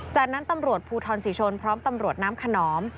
จากนั้นตำรวจภูทรศรีชนพร้อมตำรวจน้ำขนอม